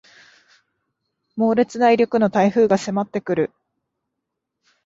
猛烈な勢力の台風が迫ってくる